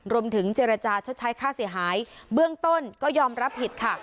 รวมถึงเจรจาชดใช้ค่าเสียหายเบื้องต้นก็ยอมรับผิดค่ะ